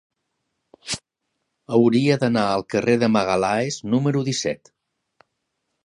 Hauria d'anar al carrer de Magalhães número disset.